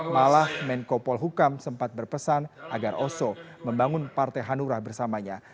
malah menko polhukam sempat berpesan agar oso membangun partai hanura bersamanya